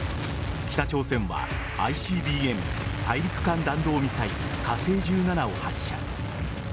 北朝鮮はＩＣＢＭ＝大陸間弾道ミサイル火星１７を発射。